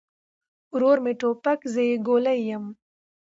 ورور مې توپک، زه يې ګولۍ يم